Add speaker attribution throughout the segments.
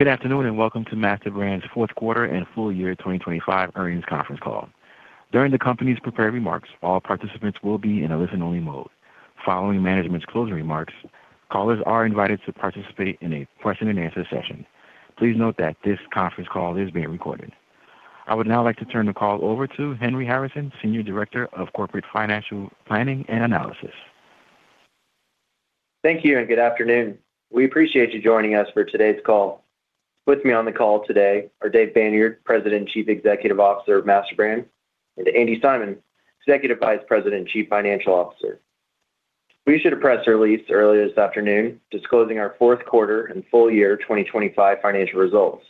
Speaker 1: Good afternoon and welcome to MasterBrand's Fourth Quarter and Full Year 2025 Earnings Conference Call. During the company's prepared remarks, all participants will be in a listen-only mode. Following management's closing remarks, callers are invited to participate in a question-and-answer session. Please note that this conference call is being recorded. I would now like to turn the call over to Henry Harrison, Senior Director of Corporate Financial Planning and Analysis.
Speaker 2: Thank you and good afternoon. We appreciate you joining us for today's call. With me on the call today are Dave Banyard, President and Chief Executive Officer of MasterBrand, and Andi Simon, Executive Vice President and Chief Financial Officer. We issued a press release earlier this afternoon disclosing our fourth quarter and full year 2025 financial results.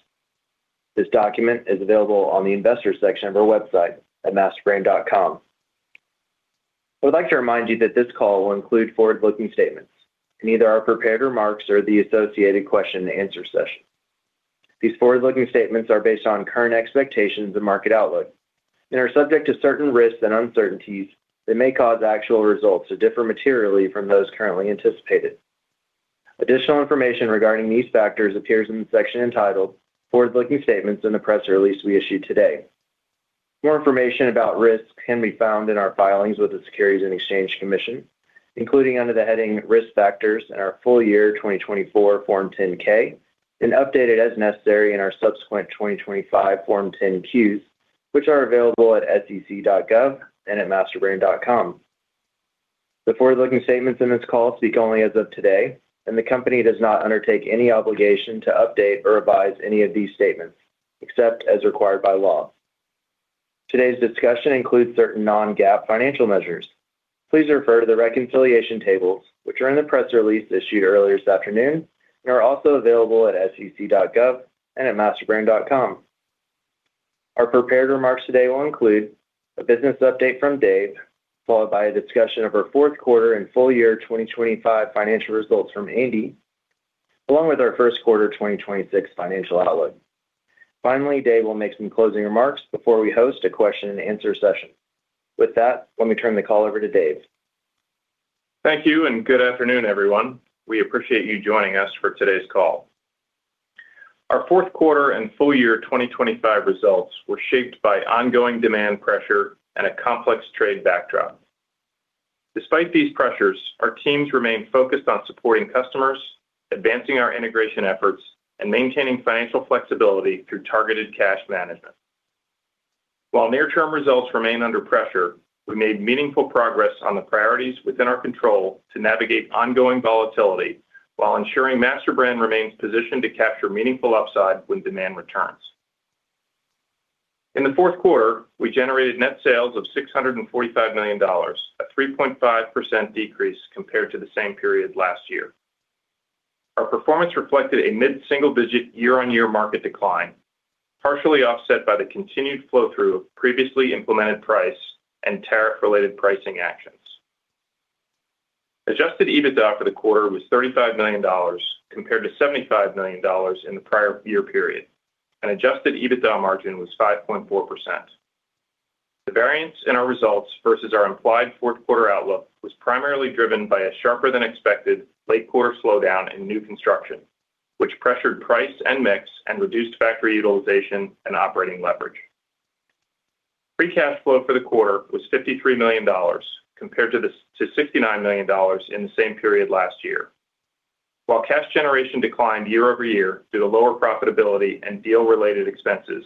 Speaker 2: This document is available on the investor section of our website at masterbrand.com. I would like to remind you that this call will include forward-looking statements, and neither our prepared remarks are the associated question-and-answer session. These forward-looking statements are based on current expectations and market outlook, and are subject to certain risks and uncertainties that may cause actual results to differ materially from those currently anticipated. Additional information regarding these factors appears in the section entitled "Forward-Looking Statements" in the press release we issued today. More information about risks can be found in our filings with the Securities and Exchange Commission, including under the heading "Risk Factors in Our Full Year 2024 Form 10-K," and updated as necessary in our subsequent 2025 Form 10-Qs, which are available at sec.gov and at masterbrand.com. The forward-looking statements in this call speak only as of today, and the company does not undertake any obligation to update or revise any of these statements except as required by law. Today's discussion includes certain non-GAAP financial measures. Please refer to the reconciliation tables, which are in the press release issued earlier this afternoon and are also available at sec.gov and at masterbrand.com. Our prepared remarks today will include a business update from Dave, followed by a discussion of our fourth quarter and full year 2025 financial results from Andi, along with our first quarter 2026 financial outlook. Finally, Dave will make some closing remarks before we host a question-and-answer session. With that, let me turn the call over to Dave.
Speaker 3: Thank you and good afternoon, everyone. We appreciate you joining us for today's call. Our fourth quarter and full year 2025 results were shaped by ongoing demand pressure and a complex trade backdrop. Despite these pressures, our teams remain focused on supporting customers, advancing our integration efforts, and maintaining financial flexibility through targeted cash management. While near-term results remain under pressure, we made meaningful progress on the priorities within our control to navigate ongoing volatility while ensuring MasterBrand remains positioned to capture meaningful upside when demand returns. In the fourth quarter, we generated net sales of $645 million, a 3.5% decrease compared to the same period last year. Our performance reflected a mid-single-digit year-on-year market decline, partially offset by the continued flow-through of previously implemented price and tariff-related pricing actions. Adjusted EBITDA for the quarter was $35 million compared to $75 million in the prior year period, and adjusted EBITDA margin was 5.4%. The variance in our results versus our implied fourth quarter outlook was primarily driven by a sharper-than-expected late-quarter slowdown in new construction, which pressured price and mix and reduced factory utilization and operating leverage. Free cash flow for the quarter was $53 million compared to $69 million in the same period last year. While cash generation declined year-over-year due to lower profitability and deal-related expenses,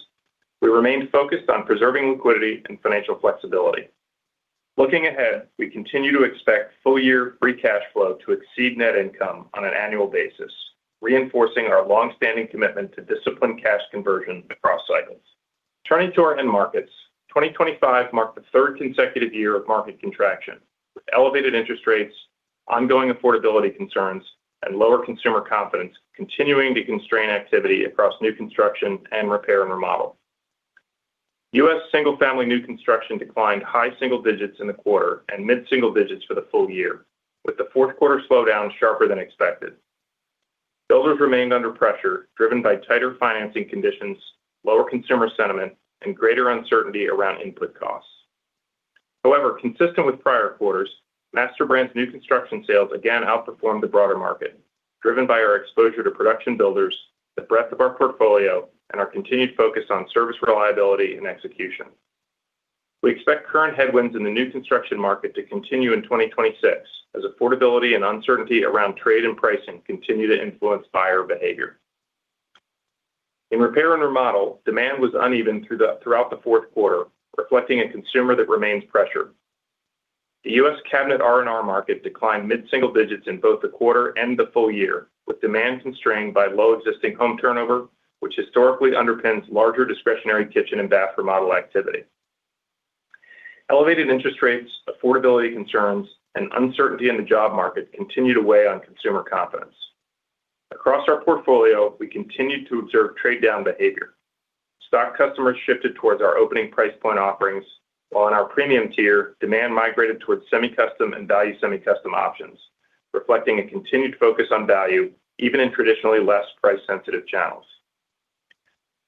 Speaker 3: we remained focused on preserving liquidity and financial flexibility. Looking ahead, we continue to expect full-year free cash flow to exceed net income on an annual basis, reinforcing our longstanding commitment to disciplined cash conversion across cycles. Turning to our end markets, 2025 marked the third consecutive year of market contraction, with elevated interest rates, ongoing affordability concerns, and lower consumer confidence continuing to constrain activity across new construction and repair and remodel. U.S. single-family new construction declined high single digits in the quarter and mid-single digits for the full year, with the fourth quarter slowdown sharper than expected. Builders remained under pressure driven by tighter financing conditions, lower consumer sentiment, and greater uncertainty around input costs. However, consistent with prior quarters, MasterBrand's new construction sales again outperformed the broader market, driven by our exposure to production builders, the breadth of our portfolio, and our continued focus on service reliability and execution. We expect current headwinds in the new construction market to continue in 2026 as affordability and uncertainty around trade and pricing continue to influence buyer behavior. In repair and remodel, demand was uneven throughout the fourth quarter, reflecting a consumer that remains pressured. The U.S. cabinet R&R market declined mid-single digits in both the quarter and the full year, with demand constrained by low existing home turnover, which historically underpins larger discretionary kitchen and bath remodel activity. Elevated interest rates, affordability concerns, and uncertainty in the job market continue to weigh on consumer confidence. Across our portfolio, we continue to observe trade-down behavior. Stock customers shifted towards our opening price point offerings, while in our premium tier, demand migrated towards semi-custom and value semi-custom options, reflecting a continued focus on value even in traditionally less price-sensitive channels.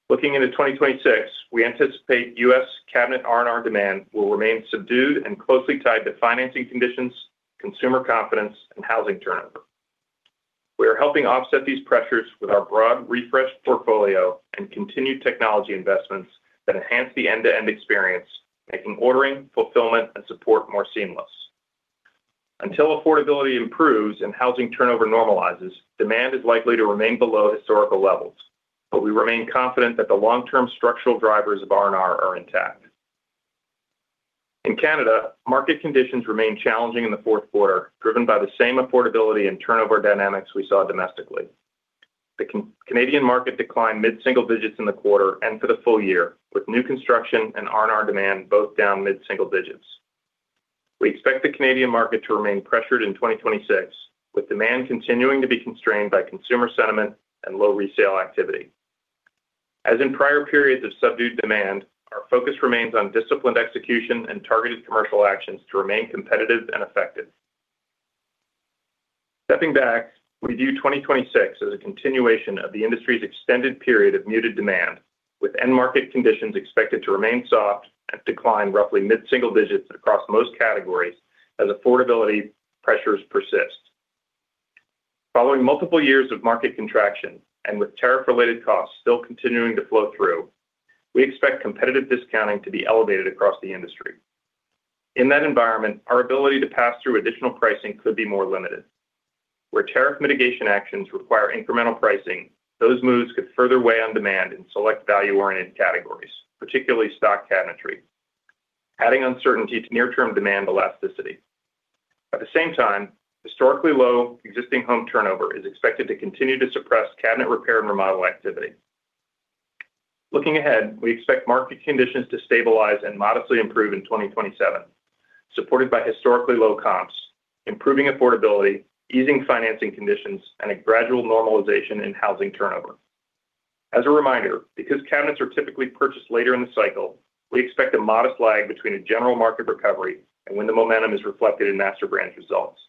Speaker 3: Looking into 2026, we anticipate U.S. cabinet R&R demand will remain subdued and closely tied to financing conditions, consumer confidence, and housing turnover. We are helping offset these pressures with our broad refreshed portfolio and continued technology investments that enhance the end-to-end experience, making ordering, fulfillment, and support more seamless. Until affordability improves and housing turnover normalizes, demand is likely to remain below historical levels, but we remain confident that the long-term structural drivers of R&R are intact. In Canada, market conditions remain challenging in the fourth quarter, driven by the same affordability and turnover dynamics we saw domestically. The Canadian market declined mid-single digits in the quarter and for the full year, with new construction and R&R demand both down mid-single digits. We expect the Canadian market to remain pressured in 2026, with demand continuing to be constrained by consumer sentiment and low resale activity. As in prior periods of subdued demand, our focus remains on disciplined execution and targeted commercial actions to remain competitive and effective. Stepping back, we view 2026 as a continuation of the industry's extended period of muted demand, with end-market conditions expected to remain soft and decline roughly mid-single digits across most categories as affordability pressures persist. Following multiple years of market contraction and with tariff-related costs still continuing to flow through, we expect competitive discounting to be elevated across the industry. In that environment, our ability to pass through additional pricing could be more limited. Where tariff mitigation actions require incremental pricing, those moves could further weigh on demand in select value-oriented categories, particularly stock cabinetry, adding uncertainty to near-term demand elasticity. At the same time, historically low existing home turnover is expected to continue to suppress cabinet repair and remodel activity. Looking ahead, we expect market conditions to stabilize and modestly improve in 2027, supported by historically low comps, improving affordability, easing financing conditions, and a gradual normalization in housing turnover. As a reminder, because cabinets are typically purchased later in the cycle, we expect a modest lag between a general market recovery and when the momentum is reflected in MasterBrand's results.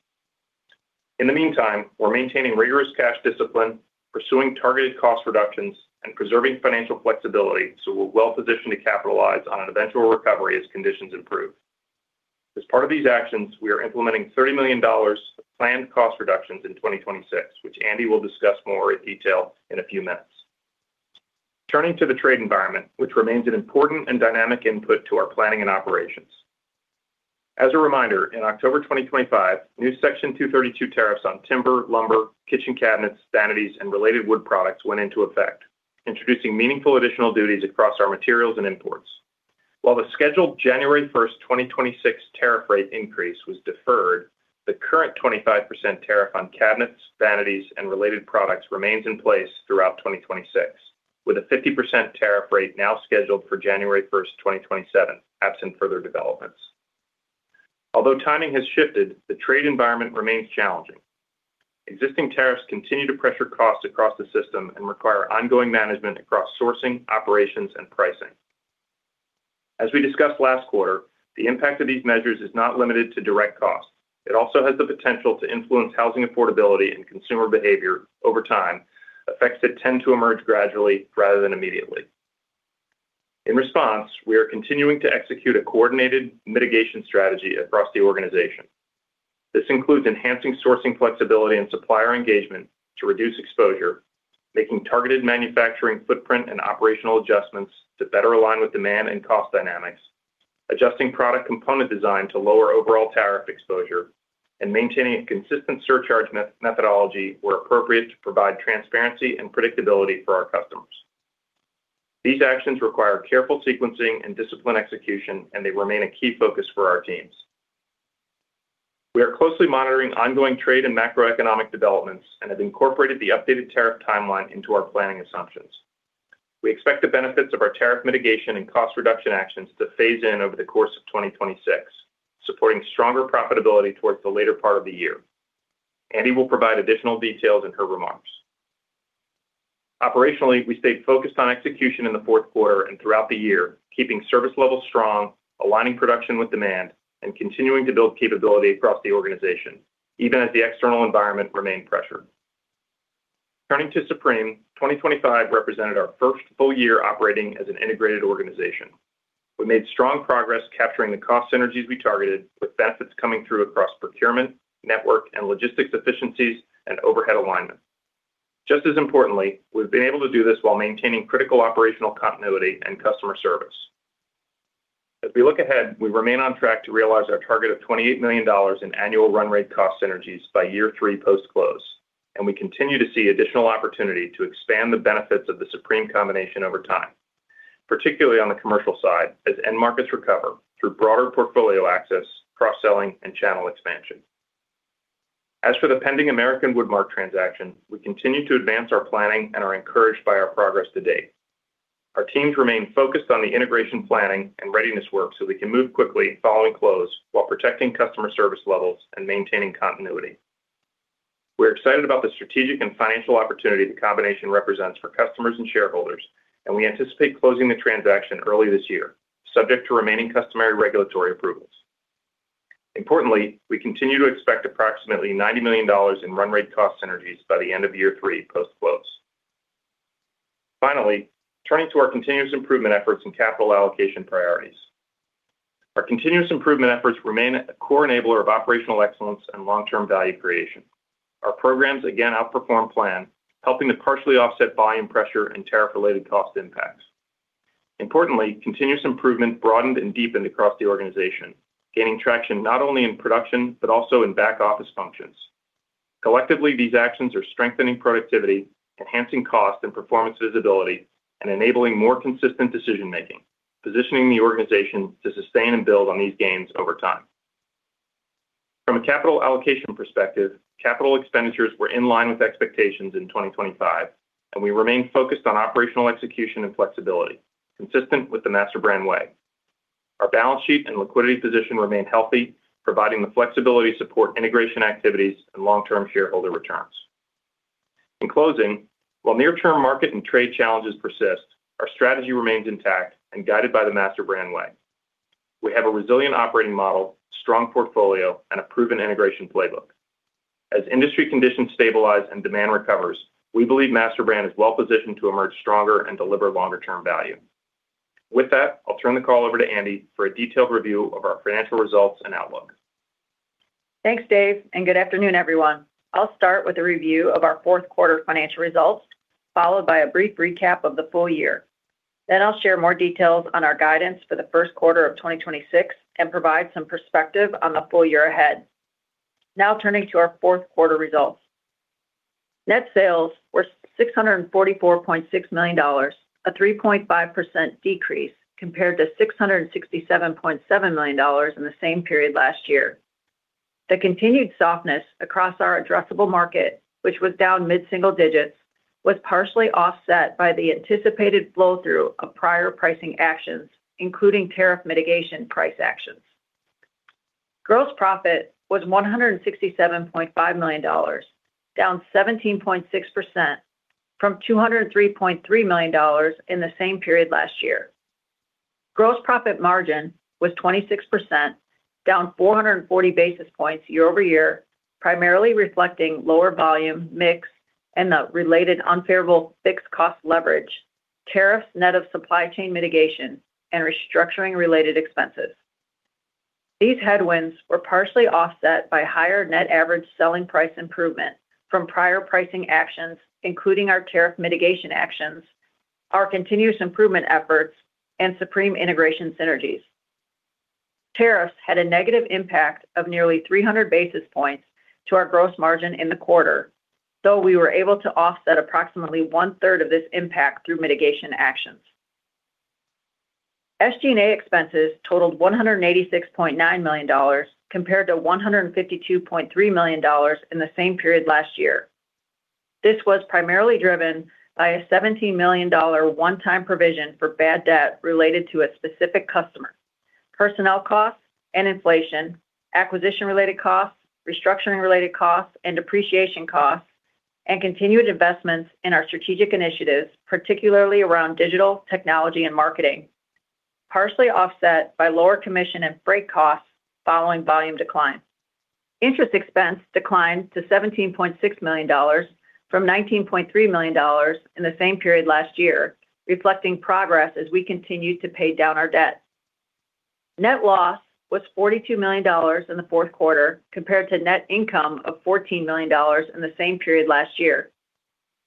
Speaker 3: In the meantime, we're maintaining rigorous cash discipline, pursuing targeted cost reductions, and preserving financial flexibility so we're well-positioned to capitalize on an eventual recovery as conditions improve. As part of these actions, we are implementing $30 million of planned cost reductions in 2026, which Andi will discuss more in detail in a few minutes. Turning to the trade environment, which remains an important and dynamic input to our planning and operations. As a reminder, in October 2025, new Section 232 tariffs on timber, lumber, kitchen cabinets, vanities, and related wood products went into effect, introducing meaningful additional duties across our materials and imports. While the scheduled January 1st, 2026 tariff rate increase was deferred, the current 25% tariff on cabinets, vanities, and related products remains in place throughout 2026, with a 50% tariff rate now scheduled for January 1st, 2027, absent further developments. Although timing has shifted, the trade environment remains challenging. Existing tariffs continue to pressure costs across the system and require ongoing management across sourcing, operations, and pricing. As we discussed last quarter, the impact of these measures is not limited to direct costs. It also has the potential to influence housing affordability and consumer behavior over time, effects that tend to emerge gradually rather than immediately. In response, we are continuing to execute a coordinated mitigation strategy across the organization. This includes enhancing sourcing flexibility and supplier engagement to reduce exposure, making targeted manufacturing footprint and operational adjustments to better align with demand and cost dynamics, adjusting product component design to lower overall tariff exposure, and maintaining a consistent surcharge methodology where appropriate to provide transparency and predictability for our customers. These actions require careful sequencing and disciplined execution, and they remain a key focus for our teams. We are closely monitoring ongoing trade and macroeconomic developments and have incorporated the updated tariff timeline into our planning assumptions. We expect the benefits of our tariff mitigation and cost reduction actions to phase in over the course of 2026, supporting stronger profitability towards the later part of the year. Andi will provide additional details in her remarks. Operationally, we stayed focused on execution in the fourth quarter and throughout the year, keeping service levels strong, aligning production with demand, and continuing to build capability across the organization, even as the external environment remained pressured. Turning to Supreme, 2025 represented our first full year operating as an integrated organization. We made strong progress capturing the cost synergies we targeted, with benefits coming through across procurement, network, and logistics efficiencies and overhead alignment. Just as importantly, we've been able to do this while maintaining critical operational continuity and customer service. As we look ahead, we remain on track to realize our target of $28 million in annual run-rate cost synergies by year three post-close, and we continue to see additional opportunity to expand the benefits of the Supreme combination over time, particularly on the commercial side as end markets recover through broader portfolio access, cross-selling, and channel expansion. As for the pending American Woodmark transaction, we continue to advance our planning and are encouraged by our progress to date. Our teams remain focused on the integration planning and readiness work so we can move quickly following close while protecting customer service levels and maintaining continuity. We're excited about the strategic and financial opportunity the combination represents for customers and shareholders, and we anticipate closing the transaction early this year, subject to remaining customary regulatory approvals. Importantly, we continue to expect approximately $90 million in run-rate cost synergies by the end of year three post-close. Finally, turning to our continuous improvement efforts and capital allocation priorities. Our continuous improvement efforts remain a core enabler of operational excellence and long-term value creation. Our programs again outperform plan, helping to partially offset volume pressure and tariff-related cost impacts. Importantly, continuous improvement broadened and deepened across the organization, gaining traction not only in production but also in back-office functions. Collectively, these actions are strengthening productivity, enhancing cost and performance visibility, and enabling more consistent decision-making, positioning the organization to sustain and build on these gains over time. From a capital allocation perspective, capital expenditures were in line with expectations in 2025, and we remain focused on operational execution and flexibility, consistent with The MasterBrand Way. Our balance sheet and liquidity position remain healthy, providing the flexibility to support integration activities and long-term shareholder returns. In closing, while near-term market and trade challenges persist, our strategy remains intact and guided by The MasterBrand Way. We have a resilient operating model, strong portfolio, and a proven integration playbook. As industry conditions stabilize and demand recovers, we believe MasterBrand is well-positioned to emerge stronger and deliver longer-term value. With that, I'll turn the call over to Andi for a detailed review of our financial results and outlook.
Speaker 4: Thanks, Dave, and good afternoon, everyone. I'll start with a review of our fourth quarter financial results, followed by a brief recap of the full year. Then I'll share more details on our guidance for the first quarter of 2026 and provide some perspective on the full year ahead. Now turning to our fourth quarter results. Net sales were $644.6 million, a 3.5% decrease compared to $667.7 million in the same period last year. The continued softness across our addressable market, which was down mid-single digits, was partially offset by the anticipated flowthrough of prior pricing actions, including tariff mitigation price actions. Gross profit was $167.5 million, down 17.6% from $203.3 million in the same period last year. Gross profit margin was 26%, down 440 basis points year-over-year, primarily reflecting lower volume mix and the related unfavorable fixed cost leverage, tariffs net of supply chain mitigation, and restructuring-related expenses. These headwinds were partially offset by higher net average selling price improvement from prior pricing actions, including our tariff mitigation actions, our continuous improvement efforts, and Supreme integration synergies. Tariffs had a negative impact of nearly 300 basis points to our gross margin in the quarter, though we were able to offset approximately one-third of this impact through mitigation actions. SG&A expenses totaled $186.9 million compared to $152.3 million in the same period last year. This was primarily driven by a $17 million one-time provision for bad debt related to a specific customer, personnel costs and inflation, acquisition-related costs, restructuring-related costs, and depreciation costs, and continued investments in our strategic initiatives, particularly around digital, technology, and marketing, partially offset by lower commission and freight costs following volume decline. Interest expense declined to $17.6 million from $19.3 million in the same period last year, reflecting progress as we continue to pay down our debt. Net loss was $42 million in the fourth quarter compared to net income of $14 million in the same period last year.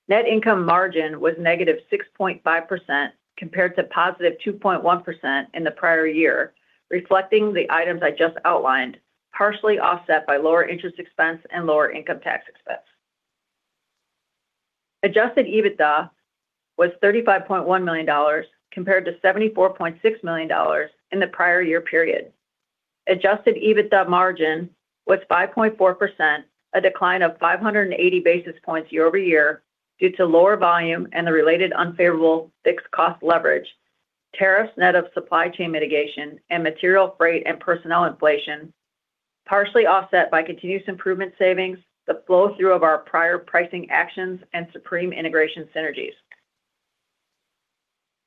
Speaker 4: Net income margin was -6.5% compared to +2.1% in the prior year, reflecting the items I just outlined, partially offset by lower interest expense and lower income tax expense. Adjusted EBITDA was $35.1 million compared to $74.6 million in the prior year period. Adjusted EBITDA margin was 5.4%, a decline of 580 basis points year-over-year due to lower volume and the related unfavorable fixed cost leverage, tariffs net of supply chain mitigation, and material freight and personnel inflation, partially offset by continuous improvement savings, the flowthrough of our prior pricing actions, and Supreme integration synergies.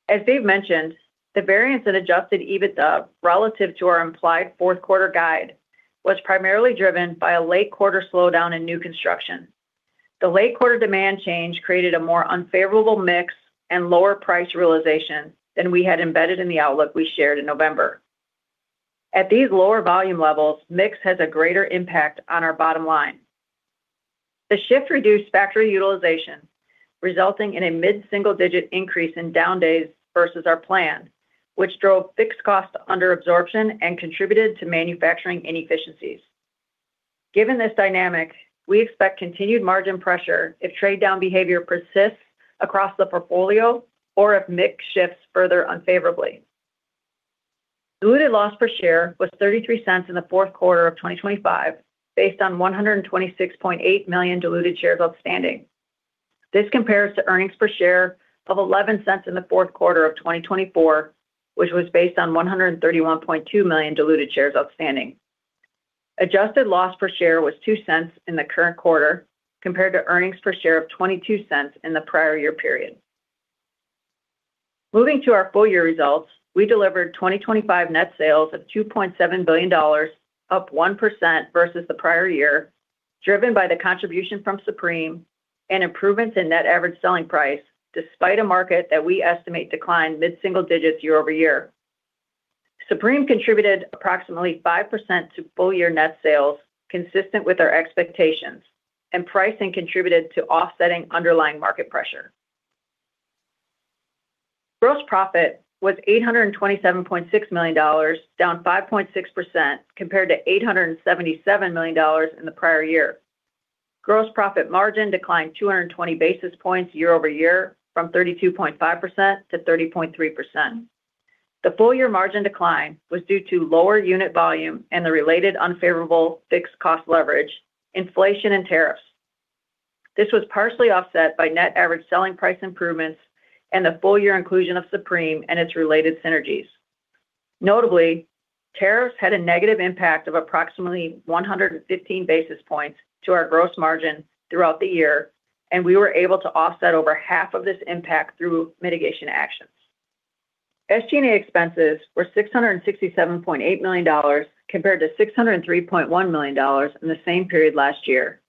Speaker 4: As Dave mentioned, the variance in adjusted EBITDA relative to our implied fourth quarter guide was primarily driven by a late quarter slowdown in new construction. The late quarter demand change created a more unfavorable mix and lower price realization than we had embedded in the outlook we shared in November. At these lower volume levels, mix has a greater impact on our bottom line. The shift reduced factory utilization, resulting in a mid-single digit increase in down days versus our plan, which drove fixed costs under absorption and contributed to manufacturing inefficiencies. Given this dynamic, we expect continued margin pressure if trade-down behavior persists across the portfolio or if mix shifts further unfavorably. Diluted loss per share was $0.33 in the fourth quarter of 2025, based on 126.8 million diluted shares outstanding. This compares to earnings per share of $0.11 in the fourth quarter of 2024, which was based on 131.2 million diluted shares outstanding. Adjusted loss per share was $0.02 in the current quarter, compared to earnings per share of $0.22 in the prior year period. Moving to our full year results, we delivered 2025 net sales of $2.7 billion, up 1% versus the prior year, driven by the contribution from Supreme and improvements in net average selling price despite a market that we estimate declined mid-single digits year-over-year. Supreme contributed approximately 5% to full year net sales, consistent with our expectations, and pricing contributed to offsetting underlying market pressure. Gross profit was $827.6 million, down 5.6% compared to $877 million in the prior year. Gross profit margin declined 220 basis points year-over-year from 32.5% to 30.3%. The full year margin decline was due to lower unit volume and the related unfavorable fixed cost leverage, inflation, and tariffs. This was partially offset by net average selling price improvements and the full year inclusion of Supreme and its related synergies. Notably, tariffs had a negative impact of approximately 115 basis points to our gross margin throughout the year, and we were able to offset over half of this impact through mitigation actions. SG&A expenses were $667.8 million compared to $603.1 million in the same period last year.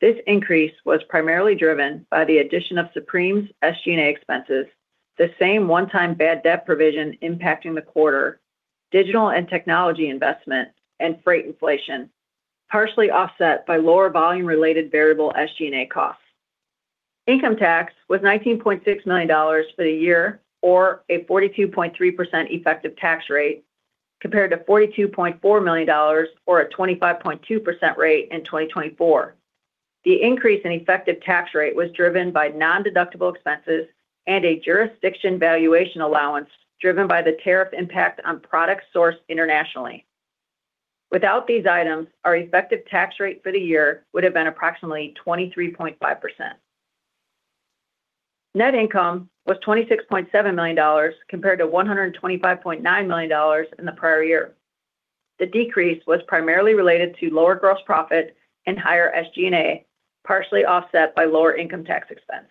Speaker 4: This increase was primarily driven by the addition of Supreme's SG&A expenses, the same one-time bad debt provision impacting the quarter, digital and technology investment, and freight inflation, partially offset by lower volume-related variable SG&A costs. Income tax was $19.6 million for the year, or a 42.3% effective tax rate, compared to $42.4 million or a 25.2% rate in 2024. The increase in effective tax rate was driven by non-deductible expenses and a jurisdiction valuation allowance driven by the tariff impact on product source internationally. Without these items, our effective tax rate for the year would have been approximately 23.5%. Net income was $26.7 million compared to $125.9 million in the prior year. The decrease was primarily related to lower gross profit and higher SG&A, partially offset by lower income tax expense.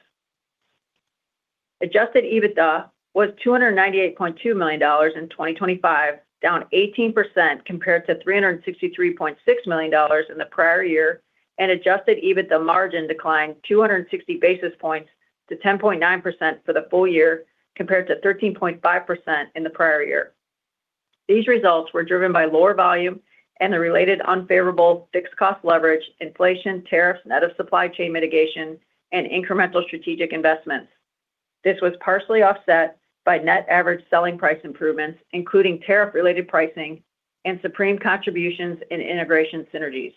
Speaker 4: Adjusted EBITDA was $298.2 million in 2025, down 18% compared to $363.6 million in the prior year, and Adjusted EBITDA margin declined 260 basis points to 10.9% for the full year compared to 13.5% in the prior year. These results were driven by lower volume and the related unfavorable fixed cost leverage, inflation, tariffs net of supply chain mitigation, and incremental strategic investments. This was partially offset by net average selling price improvements, including tariff-related pricing and Supreme contributions in integration synergies.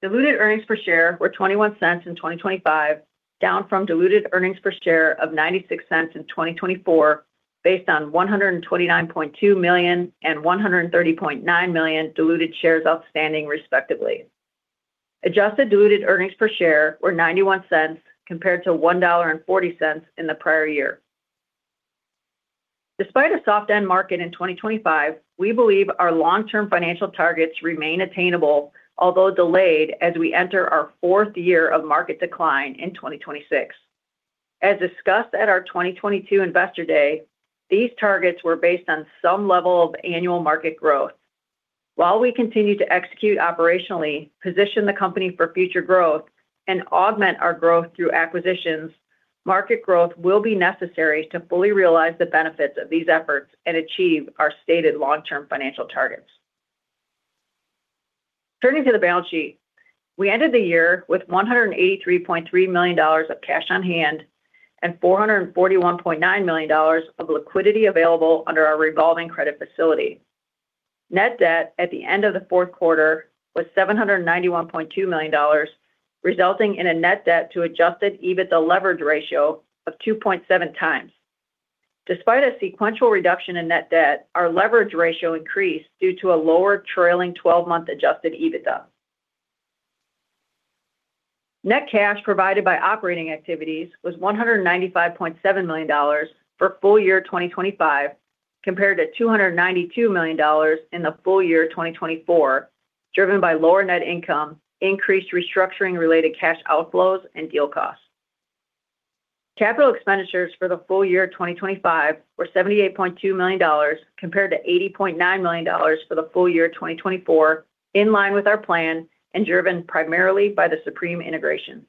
Speaker 4: Diluted earnings per share were $0.21 in 2025, down from diluted earnings per share of $0.96 in 2024, based on 129.2 million and 130.9 million diluted shares outstanding, respectively. Adjusted diluted earnings per share were $0.91 compared to $1.40 in the prior year. Despite a soft-end market in 2025, we believe our long-term financial targets remain attainable, although delayed as we enter our fourth year of market decline in 2026. As discussed at our 2022 Investor Day, these targets were based on some level of annual market growth. While we continue to execute operationally, position the company for future growth, and augment our growth through acquisitions, market growth will be necessary to fully realize the benefits of these efforts and achieve our stated long-term financial targets. Turning to the balance sheet, we ended the year with $183.3 million of cash on hand and $441.9 million of liquidity available under our revolving credit facility. Net debt at the end of the fourth quarter was $791.2 million, resulting in a net debt to adjusted EBITDA leverage ratio of 2.7x. Despite a sequential reduction in net debt, our leverage ratio increased due to a lower trailing 12-month adjusted EBITDA. Net cash provided by operating activities was $195.7 million for full year 2025 compared to $292 million in the full year 2024, driven by lower net income, increased restructuring-related cash outflows, and deal costs. Capital expenditures for the full year 2025 were $78.2 million compared to $80.9 million for the full year 2024, in line with our plan and driven primarily by the Supreme integration.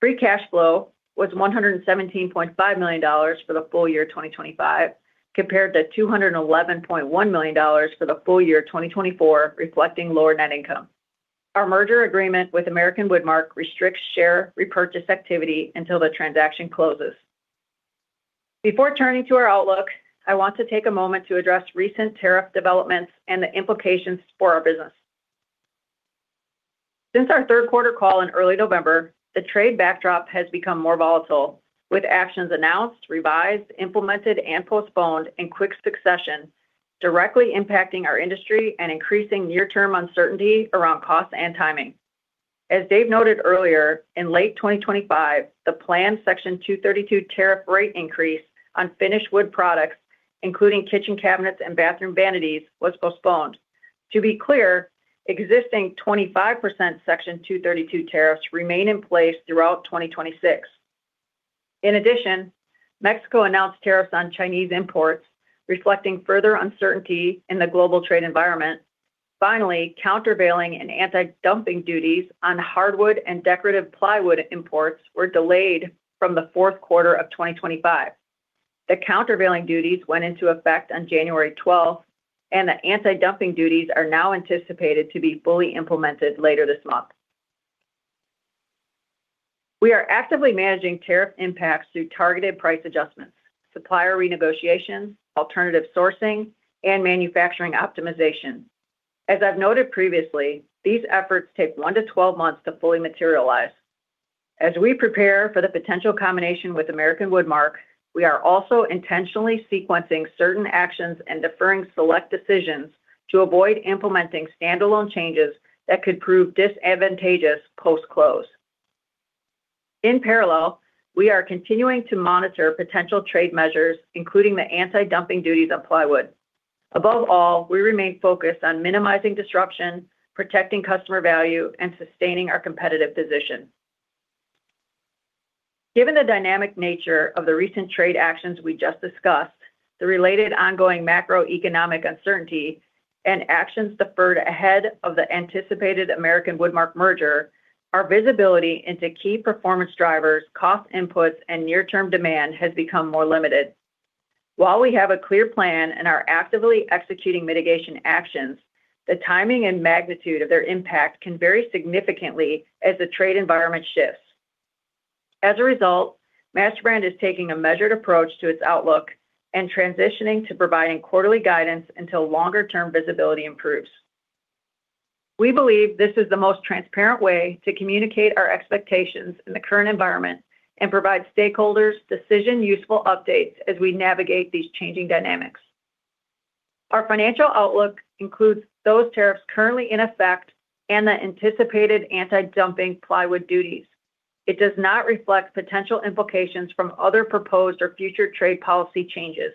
Speaker 4: Free cash flow was $117.5 million for the full year 2025, compared to $211.1 million for the full year 2024, reflecting lower net income. Our merger agreement with American Woodmark restricts share repurchase activity until the transaction closes. Before turning to our outlook, I want to take a moment to address recent tariff developments and the implications for our business. Since our third quarter call in early November, the trade backdrop has become more volatile, with actions announced, revised, implemented, and postponed in quick succession, directly impacting our industry and increasing near-term uncertainty around costs and timing. As Dave noted earlier, in late 2025, the planned Section 232 tariff rate increase on finished wood products, including kitchen cabinets and bathroom vanities, was postponed. To be clear, existing 25% Section 232 tariffs remain in place throughout 2026. In addition, Mexico announced tariffs on Chinese imports, reflecting further uncertainty in the global trade environment. Finally, countervailing and anti-dumping duties on hardwood and decorative plywood imports were delayed from the fourth quarter of 2025. The countervailing duties went into effect on January 12th, and the anti-dumping duties are now anticipated to be fully implemented later this month. We are actively managing tariff impacts through targeted price adjustments, supplier renegotiations, alternative sourcing, and manufacturing optimization. As I've noted previously, these efforts take one to 12 months to fully materialize. As we prepare for the potential combination with American Woodmark, we are also intentionally sequencing certain actions and deferring select decisions to avoid implementing standalone changes that could prove disadvantageous post-close. In parallel, we are continuing to monitor potential trade measures, including the anti-dumping duties on plywood. Above all, we remain focused on minimizing disruption, protecting customer value, and sustaining our competitive position. Given the dynamic nature of the recent trade actions we just discussed, the related ongoing macroeconomic uncertainty, and actions deferred ahead of the anticipated American Woodmark merger, our visibility into key performance drivers, cost inputs, and near-term demand has become more limited. While we have a clear plan and are actively executing mitigation actions, the timing and magnitude of their impact can vary significantly as the trade environment shifts. As a result, MasterBrand is taking a measured approach to its outlook and transitioning to providing quarterly guidance until longer-term visibility improves. We believe this is the most transparent way to communicate our expectations in the current environment and provide stakeholders decision-useful updates as we navigate these changing dynamics. Our financial outlook includes those tariffs currently in effect and the anticipated anti-dumping plywood duties. It does not reflect potential implications from other proposed or future trade policy changes.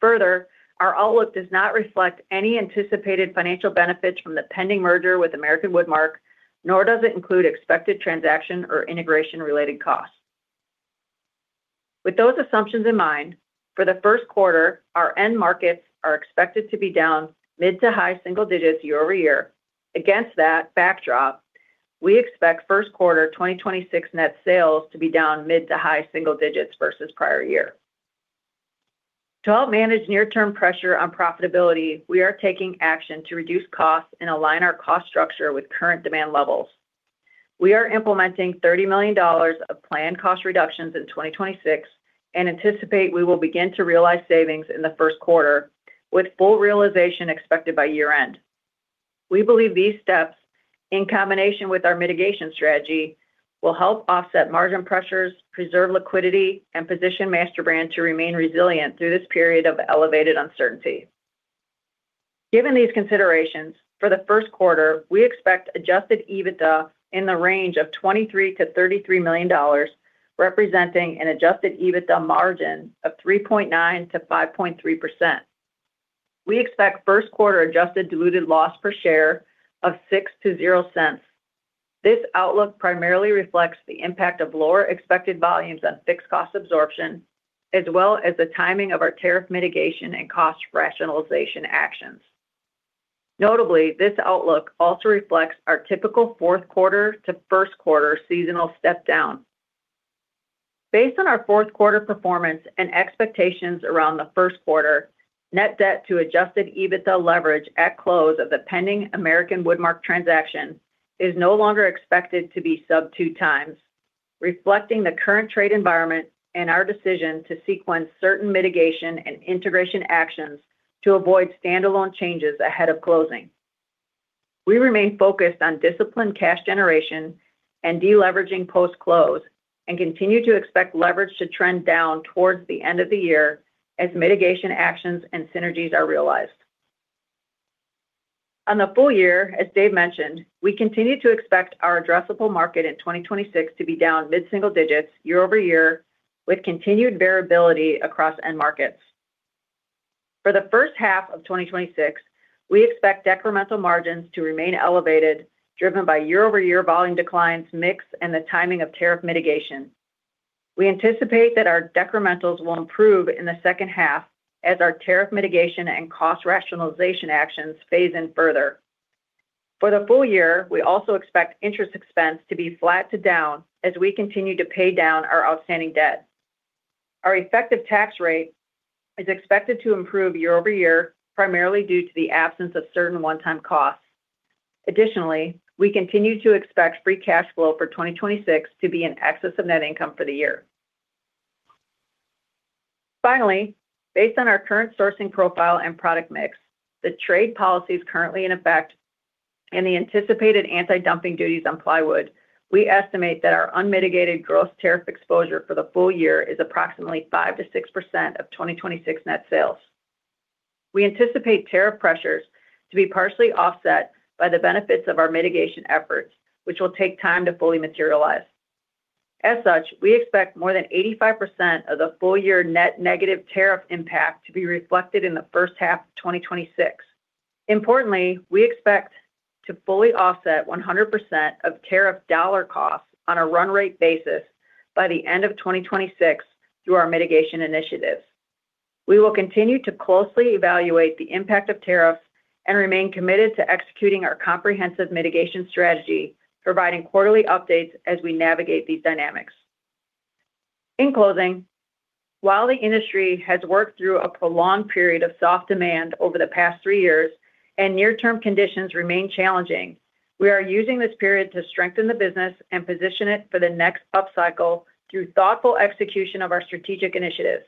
Speaker 4: Further, our outlook does not reflect any anticipated financial benefits from the pending merger with American Woodmark, nor does it include expected transaction or integration-related costs. With those assumptions in mind, for the first quarter, our end markets are expected to be down mid to high single digits year-over-year. Against that backdrop, we expect first quarter 2026 net sales to be down mid to high single digits versus prior year. To help manage near-term pressure on profitability, we are taking action to reduce costs and align our cost structure with current demand levels. We are implementing $30 million of planned cost reductions in 2026 and anticipate we will begin to realize savings in the first quarter, with full realization expected by year-end. We believe these steps, in combination with our mitigation strategy, will help offset margin pressures, preserve liquidity, and position MasterBrand to remain resilient through this period of elevated uncertainty. Given these considerations, for the first quarter, we expect adjusted EBITDA in the range of $23 million-$33 million, representing an adjusted EBITDA Margin of 3.9%-5.3%. We expect first quarter adjusted diluted loss per share of $0.06-$0.00. This outlook primarily reflects the impact of lower expected volumes on fixed cost absorption, as well as the timing of our tariff mitigation and cost rationalization actions. Notably, this outlook also reflects our typical fourth quarter to first quarter seasonal step-down. Based on our fourth quarter performance and expectations around the first quarter, net debt to adjusted EBITDA leverage at close of the pending American Woodmark transaction is no longer expected to be sub-2x, reflecting the current trade environment and our decision to sequence certain mitigation and integration actions to avoid standalone changes ahead of closing. We remain focused on disciplined cash generation and deleveraging post-close and continue to expect leverage to trend down towards the end of the year as mitigation actions and synergies are realized. On the full year, as Dave mentioned, we continue to expect our addressable market in 2026 to be down mid-single digits year-over-year, with continued variability across end markets. For the first half of 2026, we expect decremental margins to remain elevated, driven by year-over-year volume declines, mix, and the timing of tariff mitigation. We anticipate that our decrementals will improve in the second half as our tariff mitigation and cost rationalization actions phase in further. For the full year, we also expect interest expense to be flat to down as we continue to pay down our outstanding debt. Our effective tax rate is expected to improve year-over-year, primarily due to the absence of certain one-time costs. Additionally, we continue to expect free cash flow for 2026 to be in excess of net income for the year. Finally, based on our current sourcing profile and product mix, the trade policies currently in effect, and the anticipated anti-dumping duties on plywood, we estimate that our unmitigated gross tariff exposure for the full year is approximately 5%-6% of 2026 net sales. We anticipate tariff pressures to be partially offset by the benefits of our mitigation efforts, which will take time to fully materialize. As such, we expect more than 85% of the full year net negative tariff impact to be reflected in the first half of 2026. Importantly, we expect to fully offset 100% of tariff dollar costs on a run-rate basis by the end of 2026 through our mitigation initiatives. We will continue to closely evaluate the impact of tariffs and remain committed to executing our comprehensive mitigation strategy, providing quarterly updates as we navigate these dynamics. In closing, while the industry has worked through a prolonged period of soft demand over the past three years and near-term conditions remain challenging, we are using this period to strengthen the business and position it for the next upcycle through thoughtful execution of our strategic initiatives.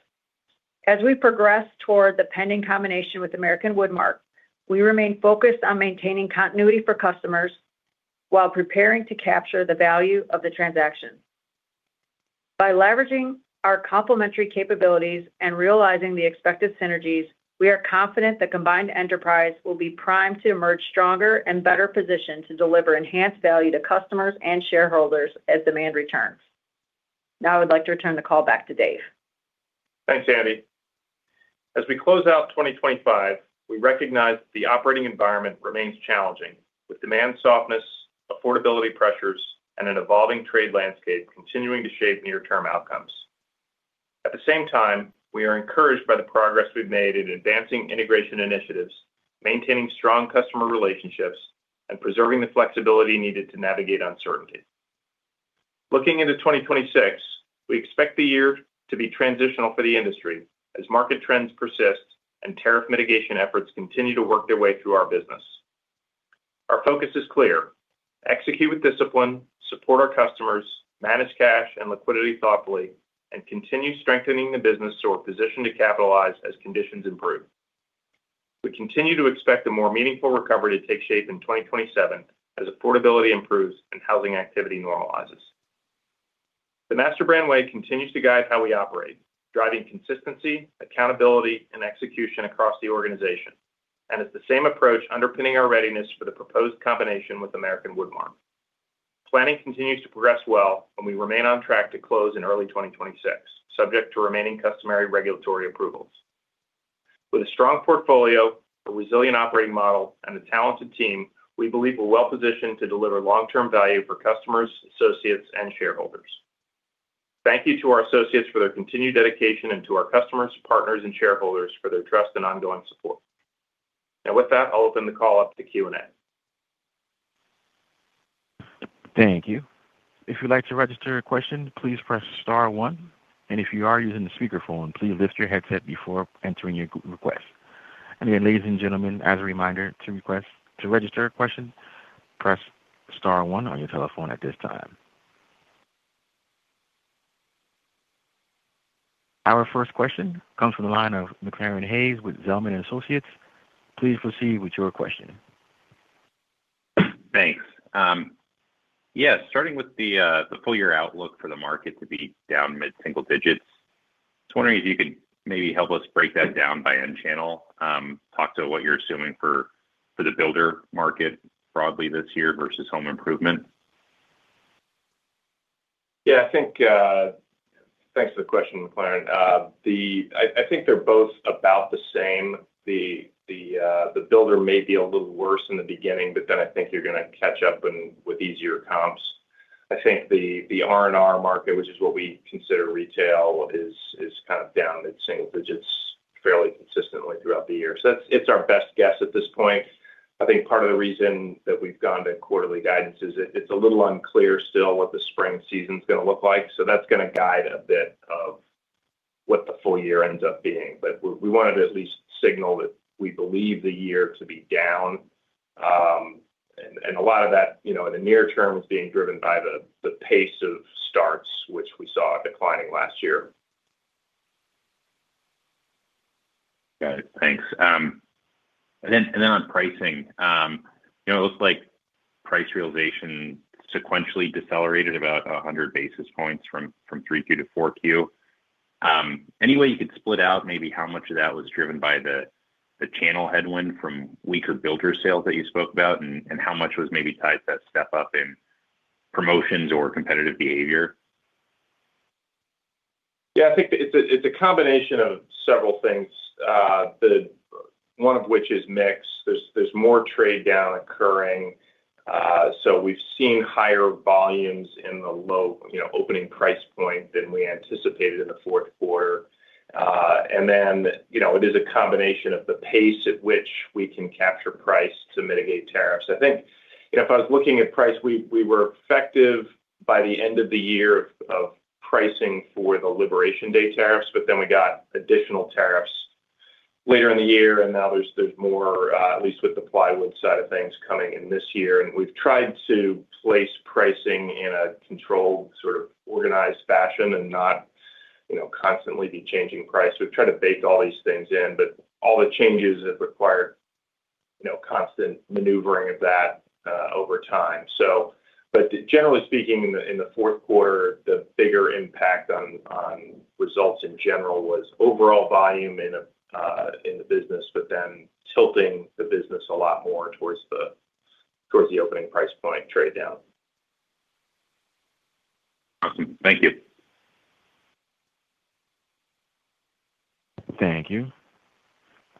Speaker 4: As we progress toward the pending combination with American Woodmark, we remain focused on maintaining continuity for customers while preparing to capture the value of the transaction. By leveraging our complementary capabilities and realizing the expected synergies, we are confident the combined enterprise will be primed to emerge stronger and better positioned to deliver enhanced value to customers and shareholders as demand returns. Now I would like to return the call back to Dave.
Speaker 3: Thanks, Andi. As we close out 2025, we recognize that the operating environment remains challenging, with demand softness, affordability pressures, and an evolving trade landscape continuing to shape near-term outcomes. At the same time, we are encouraged by the progress we've made in advancing integration initiatives, maintaining strong customer relationships, and preserving the flexibility needed to navigate uncertainty. Looking into 2026, we expect the year to be transitional for the industry as market trends persist and tariff mitigation efforts continue to work their way through our business. Our focus is clear: execute with discipline, support our customers, manage cash and liquidity thoughtfully, and continue strengthening the business so we're positioned to capitalize as conditions improve. We continue to expect a more meaningful recovery to take shape in 2027 as affordability improves and housing activity normalizes. The MasterBrand Way continues to guide how we operate, driving consistency, accountability, and execution across the organization, and is the same approach underpinning our readiness for the proposed combination with American Woodmark. Planning continues to progress well when we remain on track to close in early 2026, subject to remaining customary regulatory approvals. With a strong portfolio, a resilient operating model, and a talented team, we believe we're well positioned to deliver long-term value for customers, associates, and shareholders. Thank you to our associates for their continued dedication and to our customers, partners, and shareholders for their trust and ongoing support. Now, with that, I'll open the call up to Q&A.
Speaker 1: Thank you. If you'd like to register a question, please press star one. And if you are using the speakerphone, please lift your headset before entering your request. And again, ladies and gentlemen, as a reminder, to register a question, press star one on your telephone at this time. Our first question comes from the line of McClaran Hayes with Zelman & Associates. Please proceed with your question.
Speaker 5: Thanks. Yes, starting with the full-year outlook for the market to be down mid-single digits, I was wondering if you could maybe help us break that down by end channel, talk to what you're assuming for the builder market broadly this year versus home improvement.
Speaker 3: Yeah, thanks for the question, McClaran. I think they're both about the same. The builder may be a little worse in the beginning, but then I think you're going to catch up with easier comps. I think the R&R market, which is what we consider retail, is kind of down mid-single digits fairly consistently throughout the year. So it's our best guess at this point. I think part of the reason that we've gone to quarterly guidance is it's a little unclear still what the spring season's going to look like. So that's going to guide a bit of what the full year ends up being. But we wanted to at least signal that we believe the year to be down. And a lot of that in the near term is being driven by the pace of starts, which we saw declining last year.
Speaker 5: Got it. Thanks. And then on pricing, it looks like price realization sequentially decelerated about 100 basis points from 3Q to 4Q. Any way you could split out maybe how much of that was driven by the channel headwind from weaker builder sales that you spoke about, and how much was maybe tied to that step-up in promotions or competitive behavior?
Speaker 3: Yeah, I think it's a combination of several things, one of which is mix. There's more trade down occurring. So we've seen higher volumes in the low opening price point than we anticipated in the fourth quarter. And then it is a combination of the pace at which we can capture price to mitigate tariffs. I think if I was looking at price, we were effective by the end of the year of pricing for the Liberation Day tariffs, but then we got additional tariffs later in the year. And now there's more, at least with the plywood side of things, coming in this year. And we've tried to place pricing in a controlled, sort of organized fashion and not constantly be changing price. We've tried to bake all these things in, but all the changes have required constant maneuvering of that over time. Generally speaking, in the fourth quarter, the bigger impact on results in general was overall volume in the business, but then tilting the business a lot more towards the opening price point trade down.
Speaker 5: Awesome. Thank you.
Speaker 1: Thank you.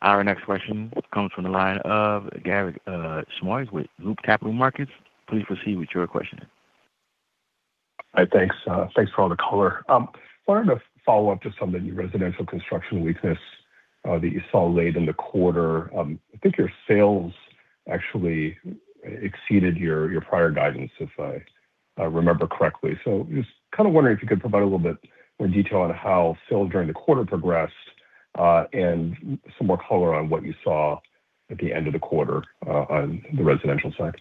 Speaker 1: Our next question comes from the line of Garik Shmois with Loop Capital Markets. Please proceed with your question.
Speaker 6: Hi, thanks. Thanks for all the color. I wanted to follow up just on the residential construction weakness that you saw late in the quarter. I think your sales actually exceeded your prior guidance, if I remember correctly. So I was kind of wondering if you could provide a little bit more detail on how sales during the quarter progressed and some more color on what you saw at the end of the quarter on the residential side?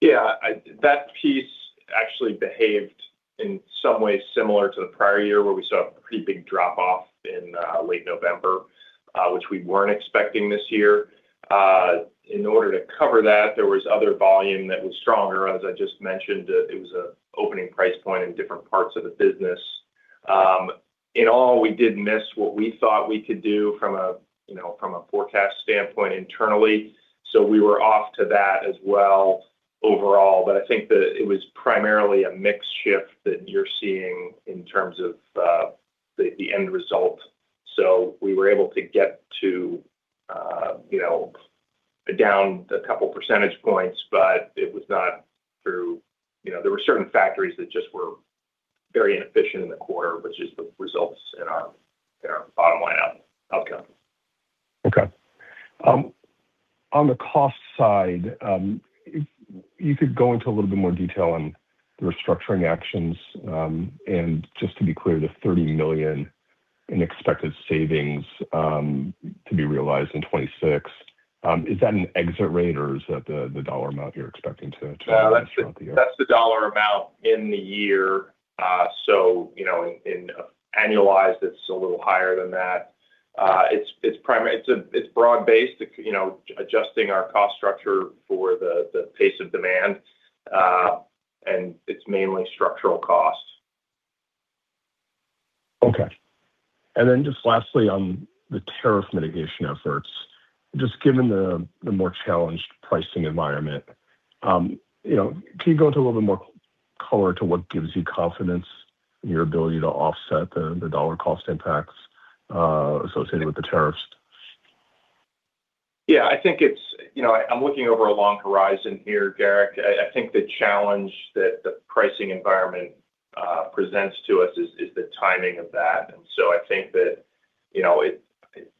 Speaker 3: Yeah, that piece actually behaved in some ways similar to the prior year where we saw a pretty big drop-off in late November, which we weren't expecting this year. In order to cover that, there was other volume that was stronger. As I just mentioned, it was an opening price point in different parts of the business. In all, we did miss what we thought we could do from a forecast standpoint internally. So we were off to that as well overall. But I think that it was primarily a mixed shift that you're seeing in terms of the end result. So we were able to get down a couple of percentage points, but it was not through there were certain factories that just were very inefficient in the quarter, which results in our bottom line outcome.
Speaker 6: Okay. On the cost side, if you could go into a little bit more detail on the restructuring actions. Just to be clear, the $30 million in expected savings to be realized in 2026, is that an exit rate, or is that the dollar amount you're expecting to drop throughout the year?
Speaker 3: No, that's the dollar amount in the year. So annualized, it's a little higher than that. It's broad-based, adjusting our cost structure for the pace of demand. And it's mainly structural cost.
Speaker 6: Okay. And then just lastly on the tariff mitigation efforts, just given the more challenged pricing environment, can you go into a little bit more color to what gives you confidence in your ability to offset the dollar cost impacts associated with the tariffs?
Speaker 3: Yeah, I think I'm looking over a long horizon here, Garik. I think the challenge that the pricing environment presents to us is the timing of that. And so I think that,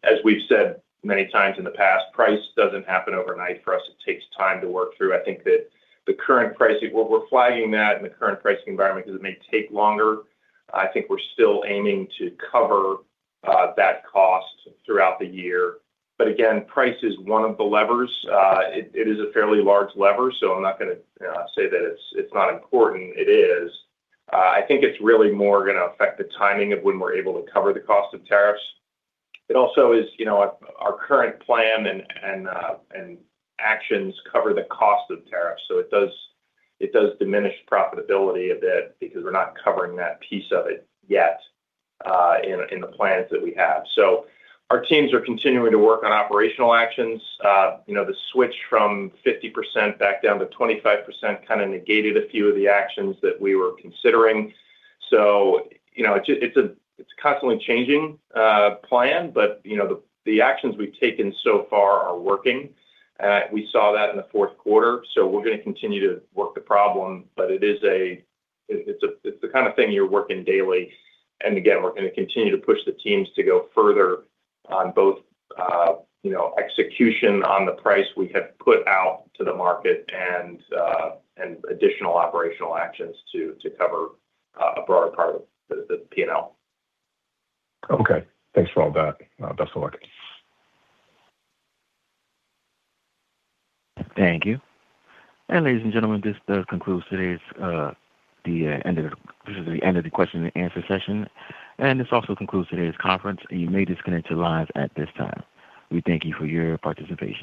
Speaker 3: as we've said many times in the past, price doesn't happen overnight for us. It takes time to work through. I think that the current pricing we're flagging that in the current pricing environment because it may take longer. I think we're still aiming to cover that cost throughout the year. But again, price is one of the levers. It is a fairly large lever. So I'm not going to say that it's not important. It is. I think it's really more going to affect the timing of when we're able to cover the cost of tariffs. It also is our current plan and actions cover the cost of tariffs. So it does diminish profitability a bit because we're not covering that piece of it yet in the plans that we have. So our teams are continuing to work on operational actions. The switch from 50% back down to 25% kind of negated a few of the actions that we were considering. So it's a constantly changing plan, but the actions we've taken so far are working. We saw that in the fourth quarter. So we're going to continue to work the problem, but it's the kind of thing you're working daily. And again, we're going to continue to push the teams to go further on both execution on the price we have put out to the market and additional operational actions to cover a broader part of the P&L.
Speaker 6: Okay. Thanks for all that. Best of luck.
Speaker 1: Thank you. Ladies and gentlemen, this concludes today's this is the end of the question and answer session. This also concludes today's conference. You may disconnect your lines at this time. We thank you for your participation.